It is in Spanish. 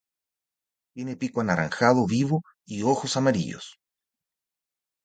Tiene pico anaranjado vivo y ojos amarillos.